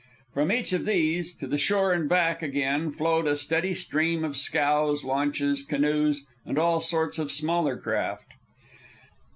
From each of these, to the shore and back again, flowed a steady stream of scows, launches, canoes, and all sorts of smaller craft.